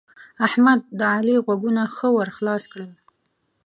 احمد؛ د علي غوږونه ښه ور خلاص کړل.